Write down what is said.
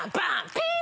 ピン！